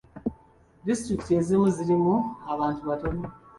Disitulikiti ezimu zirimu abantu batono.